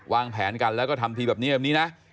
วางแผนกันแล้วก็ทำทีแบบนี้นะ